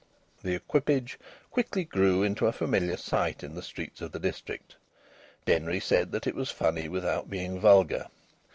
The equipage quickly grew into a familiar sight in the streets of the district. Denry said that it was funny without being vulgar.